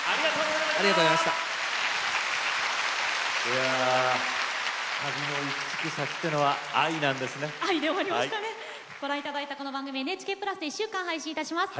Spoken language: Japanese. ご覧頂いたこの番組ＮＨＫプラスで１週間配信いたします。